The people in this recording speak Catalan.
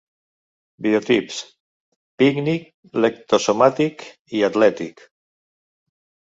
Biotips: pícnic, leptosomàtic i atlètic.